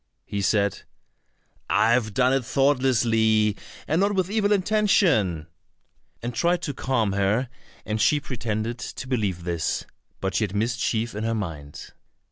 He said, "I have done it thoughtlessly, and not with evil intention," and tried to calm her, and she pretended to believe this; but she had mischief in her mind.